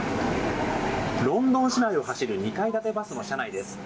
ロンドン市内を走る２階建てバスの車内です。